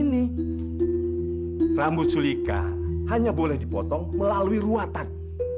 nanti kamu bisa muntah